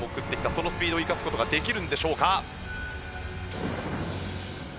そのスピードを生かす事ができるんでしょうか？